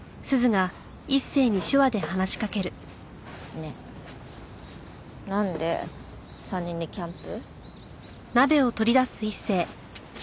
ねえなんで３人でキャンプ？